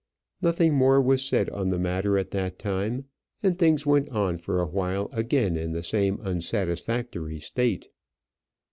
Nothing more was said on the matter at that time, and things went on for awhile again in the same unsatisfactory state.